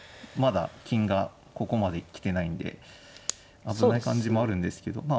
まだ金がここまで来てないんで危ない感じもあるんですけど